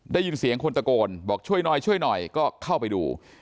ได้ยินเสียงคนตะโกนบอกช่วยหน่อยช่วยหน่อยก็เข้าไปดู